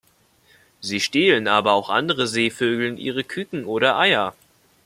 Sie stehlen aber auch anderen Seevögeln ihre Küken oder Eier.